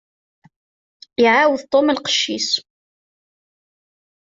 Iɛawed Tom lqecc-is.